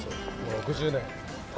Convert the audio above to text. ６０年。